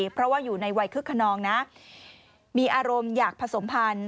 เพราะว่าอยู่ในวัยคึกขนองนะมีอารมณ์อยากผสมพันธ์